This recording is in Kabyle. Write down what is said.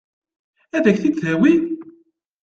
Ad k-t-id-tawi?